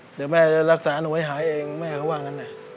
เดี๋ยวแม่จะรักษาหนูให้หายเองแม่เขาว่างั้นนะ